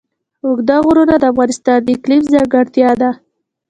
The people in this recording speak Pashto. اوږده غرونه د افغانستان د اقلیم ځانګړتیا ده.